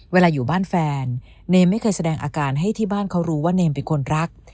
เวลาอยู่บ้านแฟนเนมไม่เคยแสดงอาการให้ที่บ้านเขารู้ว่าเนมเป็นคนรัก